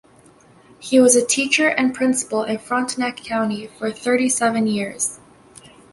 He was a teacher and principal in Frontenac County for thirty-seven years.